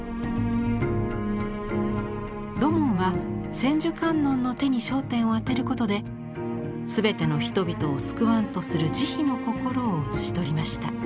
土門は千手観音の手に焦点を当てることで全ての人々を救わんとする慈悲の心を写し取りました。